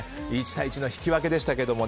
１対１の引き分けでしたけど。